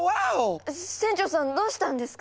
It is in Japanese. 船長さんどうしたんですか？